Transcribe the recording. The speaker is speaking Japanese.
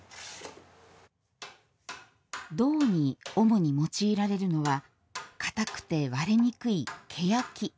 胴に主に用いられるのは堅くて、割れにくいけやき。